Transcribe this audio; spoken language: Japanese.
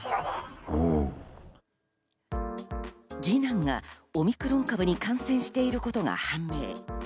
二男がオミクロン株に感染していることが判明。